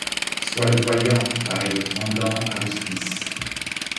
Sois le voyant ! pareil aux tremblants aruspices